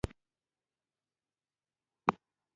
افغانستان په ټوله نړۍ کې د زردالو لپاره مشهور دی.